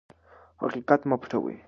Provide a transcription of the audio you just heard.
حقیقت مه پټوئ.